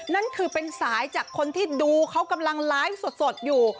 นั่นคือเป็นสายจากคนที่ดูเขากำลังไลฟ์สดอยู่